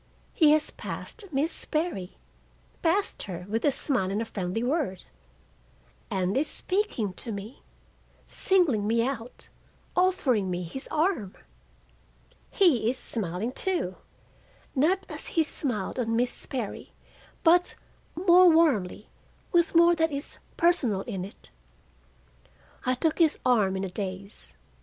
He has passed Miss Sperry—passed her with a smile and a friendly word—and is speaking to me, singling me out, offering me his arm! He is smiling, too, not as he smiled on Miss Sperry, but more warmly, with more that is personal in it. I took his arm in a daze.